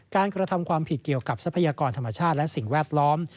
กระทำความผิดเกี่ยวกับทรัพยากรธรรมชาติและสิ่งแวดล้อม